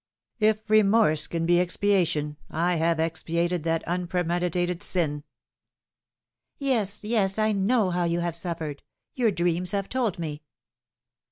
If remorse can be expiation, I have expiated that unpremedi tated sin 1" " Yes, yes, I know how you have suffered. Your dreams have told me."